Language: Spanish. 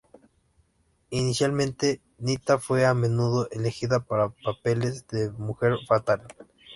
Inicialmente, Nita fue a menudo elegida para papeles de mujer fatal.